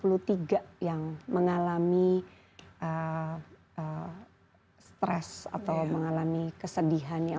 dan juga tiga yang mengalami stres atau mengalami kesedihan yang panjang